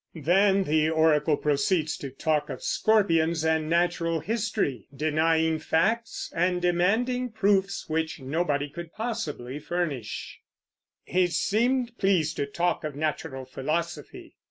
Then the oracle proceeds to talk of scorpions and natural history, denying facts, and demanding proofs which nobody could possibly furnish: He seemed pleased to talk of natural philosophy.